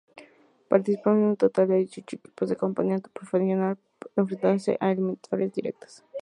Participaron un total de dieciocho equipos del campeonato profesional enfrentándose en eliminatorias directas.